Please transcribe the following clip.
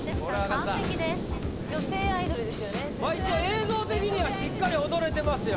完璧です一応映像的にはしっかり踊れてますよ